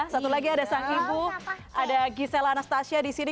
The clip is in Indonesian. satu lagi ada sang ibu ada gisela anastasia di sini